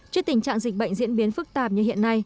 trước tình trạng dịch bệnh diễn biến phức tạp như hiện nay